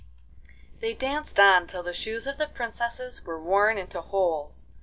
IX They danced on till the shoes of the princesses were worn into holes.